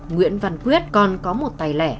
nguyễn văn quyết còn có một tài lẻ